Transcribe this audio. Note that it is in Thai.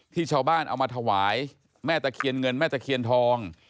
ชาวบ้านเอามาถวายแม่ตะเคียนเงินแม่ตะเคียนทอง